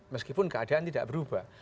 meskipun keadaan tidak berubah